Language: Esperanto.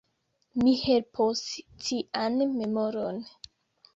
Mi helpos cian memoron.